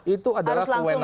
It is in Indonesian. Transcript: itu adalah kewenangan